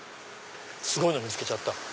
すごいの見つけちゃった。